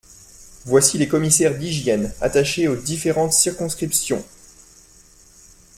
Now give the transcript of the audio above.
Voici les commissaires d'hygiène, attachés aux différentes circonscriptions : I.